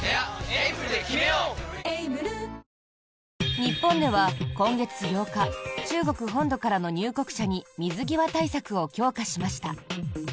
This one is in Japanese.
日本では今月８日中国本土からの入国者に水際対策を強化しました。